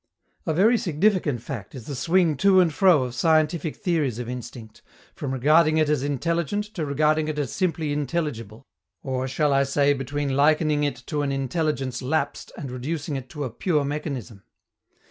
A very significant fact is the swing to and fro of scientific theories of instinct, from regarding it as intelligent to regarding it as simply intelligible, or, shall I say, between likening it to an intelligence "lapsed" and reducing it to a pure mechanism.